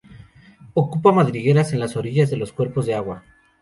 Ocupa madrigueras en las orillas de los cuerpos de agua.